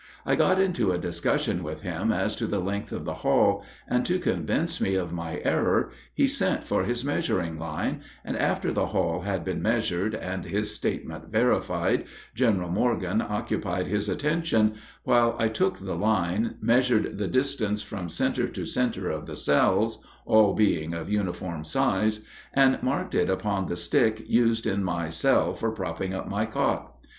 I got into a discussion with him as to the length of the hall, and to convince me of my error he sent for his measuring line, and after the hall had been measured, and his statement verified, General Morgan occupied his attention, while I took the line, measured the distance from center to center of the cells, all being of uniform size, and marked it upon the stick used in my cell for propping up my cot.